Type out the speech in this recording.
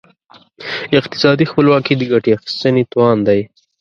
اقتصادي خپلواکي د ګټې اخیستنې توان دی.